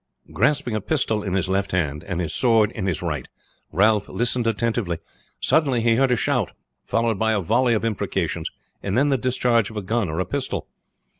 Grasping a pistol in his left hand, and his sword in his right, Ralph listened attentively. Suddenly he heard a shout, followed by a volley of imprecations, and then the discharge of a gun or a pistol.